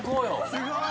すごい。